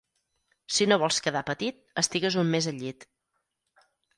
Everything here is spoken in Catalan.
Si no vols quedar petit estigues un mes al llit.